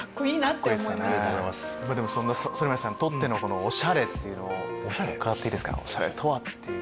そんな反町さんにとっての「おしゃれ」っていうのを伺っていいですか「おしゃれとは？」っていう。